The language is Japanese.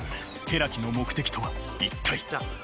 寺木の目的とは一体。